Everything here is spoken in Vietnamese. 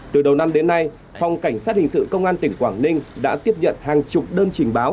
từ đầu năm đến nay phòng cảnh sát hình sự công an tỉnh quảng ninh đã tiếp nhận hàng chục đơn trình báo